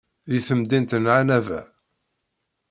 Deg temdint n Ɛennaba.